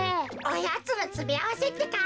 おやつのつめあわせってか？